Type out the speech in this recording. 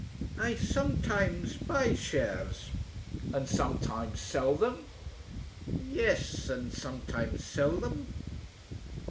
'I sometimes buy shares.' 'And sometimes sell them?' 'Yes and sometimes sell them.'